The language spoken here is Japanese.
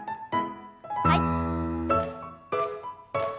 はい。